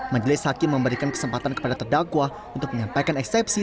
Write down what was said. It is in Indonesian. majelis hakim memberikan kesempatan kepada terdakwa untuk menyampaikan eksepsi